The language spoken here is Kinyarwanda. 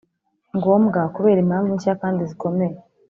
Ngombwa kubera impamvu nshya kandi zikomeye